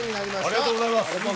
ありがとうございます。